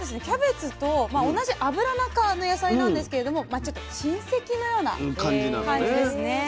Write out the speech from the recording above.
キャベツと同じアブラナ科の野菜なんですけれどもまあちょっと親戚のような感じですね。